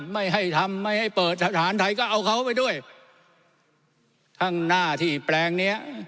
ไม่ให้ทำไม่ให้เปิดทหารไทยก็เอาเขาไปด้วยทั้งหน้าที่แปลงเนี้ย